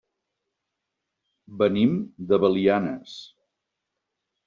Venim de Belianes.